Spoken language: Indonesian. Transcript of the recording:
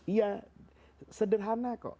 iya sederhana kok